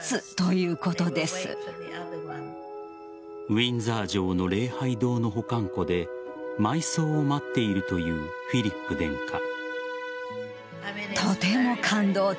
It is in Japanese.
ウィンザー城の礼拝堂の保管庫で埋葬を待っているというフィリップ殿下。